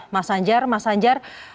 mas anjar mas anjar